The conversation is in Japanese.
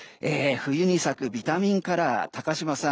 冬に咲くビタミンカラー高島さん